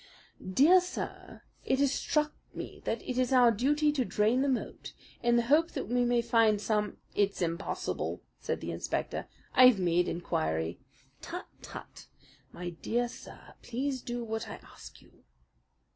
"Dear Sir: "It has struck me that it is our duty to drain the moat, in the hope that we may find some " "It's impossible," said the inspector. "I've made inquiry." "Tut, tut! My dear sir, please do what I ask you."